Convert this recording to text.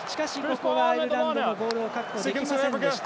アイルランドもボールを確保できませんでした。